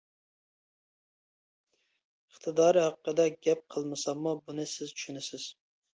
ئىقتىدارى ھەققىدە گەپ قىلمىساممۇ بۇنى سىز چۈشىنىسىز.